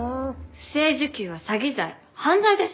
不正受給は詐欺罪犯罪です！